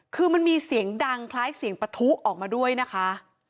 คือมันมีเสียงดังคล้ายเสียงปะทุออกมาด้วยนะคะ